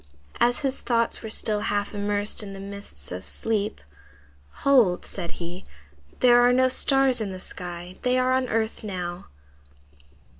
As his thoughts were still half immersed in the mists of sleep, "Hold!" said he, "there are no stars in the sky. They are on earth now."